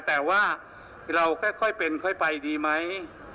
แต่ว่าเราค่อยเป็นค่อยไปดีไหม